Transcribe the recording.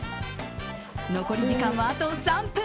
残り時間はあと３分。